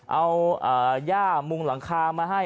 เอาย่ามุงหลังคามาให้